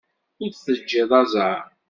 Ur teǧǧiḍ aẓar.